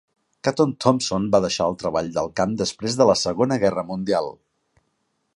Caton Thompson va deixar el treball de camp després de la Segona Guerra Mundial.